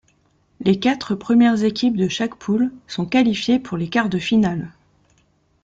Les quatre premières équipes de chaque poule sont qualifiées pour les quarts de finale.